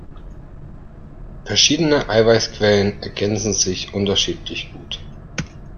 Verschiedene Eiweißquellen ergänzen sich unterschiedlich gut.